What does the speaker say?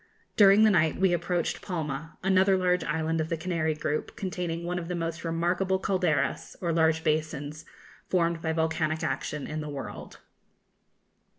During the night we approached Palma, another large island of the Canary group, containing one of the most remarkable calderas, or large basins, formed by volcanic action in the world.